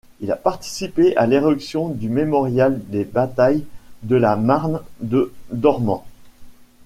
Il a participé à l'érection du Mémorial des batailles de la Marne de Dormans.